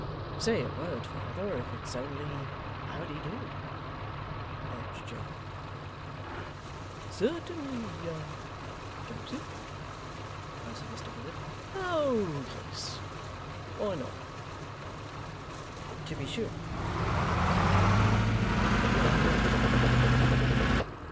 'Say a word, father, if it's only "how d'ye do,"' urged Joe. 'Certainly, Joseph,' answered Mr Willet. 'Oh yes! Why not?' 'To be sure,' said Joe. 'Why not?